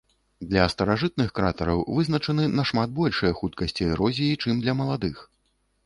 Для старажытных кратараў вызначаны нашмат большыя хуткасці эрозіі, чым для маладых.